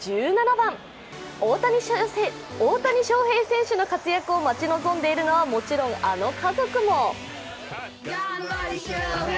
大谷翔平選手の活躍を待ち望んでいるのはもちろんあの家族も。